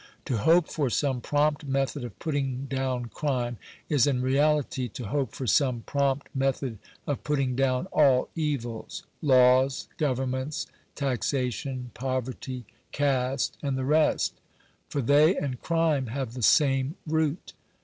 To hope for some prompt method of putting down crime, is in reality to hope for some prompt method of putting down all evils — laws, governments, taxation, poverty, caste, and the rest; for they and crime have the same root.